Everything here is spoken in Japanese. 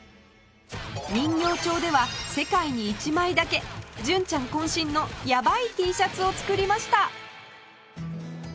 人形町では世界に１枚だけ純ちゃん渾身のヤバい Ｔ シャツを作りました！